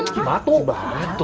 cibatu dimana mama